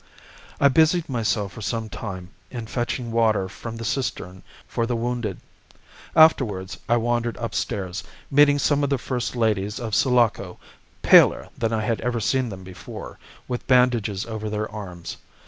"I busied myself for some time in fetching water from the cistern for the wounded. Afterwards I wandered upstairs, meeting some of the first ladies of Sulaco, paler than I had ever seen them before, with bandages over their arms.